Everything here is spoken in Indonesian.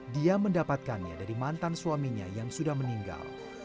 dia mendapatkannya dari mantan suaminya yang sudah meninggal